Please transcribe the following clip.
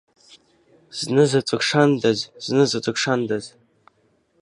Знызаҵәык шандаз, знызаҵәык шандаз…